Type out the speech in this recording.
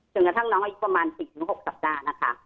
จนกระทั่งน้องอีกประมาณ๑๐๖สัปดาห์